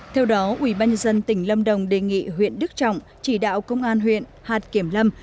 theo đó ubnd tỉnh lâm đồng đề nghị huyện đức trọng chỉ đạo công an huyện hạt kiểm lâm